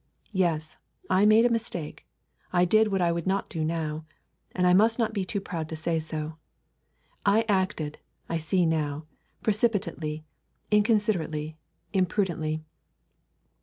Yes, I made a mistake. I did what I would not do now, and I must not be too proud to say so. I acted, I see now, precipitately, inconsiderately, imprudently.